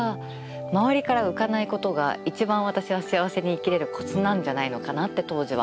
周りから浮かないことが一番私は幸せに生きれるコツなんじゃないのかなと当時は思っていて。